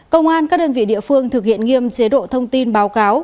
công an các đơn vị địa phương thực hiện nghiêm chế độ thông tin báo cáo